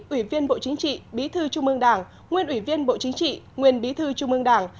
ủy viên bộ chính trị bí thư trung ương đảng nguyên ủy viên bộ chính trị nguyên bí thư trung ương đảng